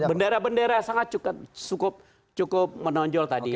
pak ferdinand cukup menonjol tadi